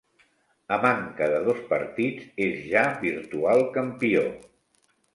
A manca de dos partits, és ja virtual campió.